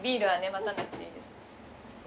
待たなくていいです。